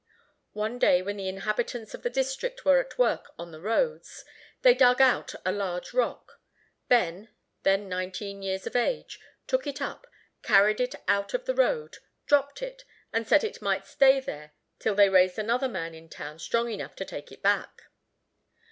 One day when the inhabitants of the district were at work on the roads, they dug out a large rock. Ben, then nineteen years of age, took it up, carried it out of the road, dropped it, and said it might stay there till they raised another man in town strong enough to take it back.